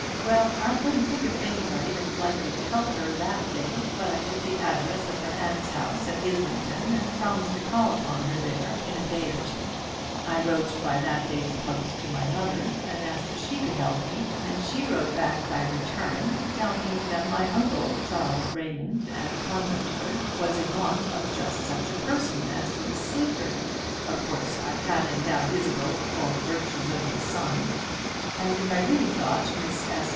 Well, I couldn't think of anybody that was likely to help her that day; but I took the address of her aunt's house at Islington, and promised to call upon her there in a day or two. I wrote by that day's post to my mother, and asked her if she could help me; and she wrote back by return to tell me that my uncle, Charles Raymond, at Conventford, was in want of just such a person as Miss Sleaford (of course I had endowed Isabel with all the virtues under the sun), and if I really thought Miss S.